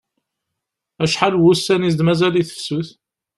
Acḥal n wussan i as-d-mazal i tefsut?